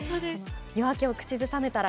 「夜明けをくちずさめたら」